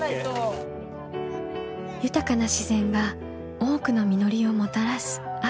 豊かな自然が多くの実りをもたらす秋。